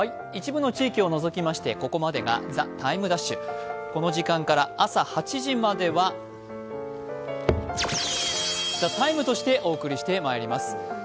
一部の地域を除きましてここまでが「ＴＨＥＴＩＭＥ’」この時間から朝８時までは「ＴＨＥＴＩＭＥ，」としてお送りしてまいります。